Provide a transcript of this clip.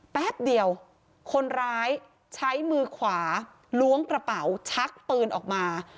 แป๊บเดียวคนร้ายใช้มือขวาล้วงกระเป๋าชักปืนออกมา